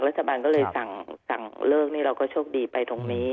รัฐบาลก็เลยสั่งเลิกนี่เราก็โชคดีไปตรงนี้